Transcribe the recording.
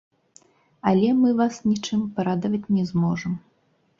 Але мы вас нічым парадаваць не зможам.